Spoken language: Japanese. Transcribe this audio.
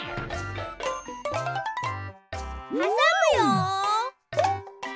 はさむよ！